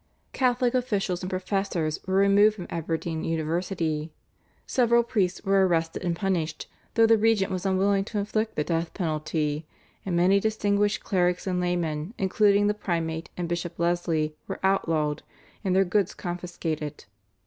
Catholic officials and professors were removed from Aberdeen University; several priests were arrested and punished though the regent was unwilling to inflict the death penalty, and many distinguished clerics and laymen, including the Primate and Bishop Leslie, were outlawed and their goods confiscated.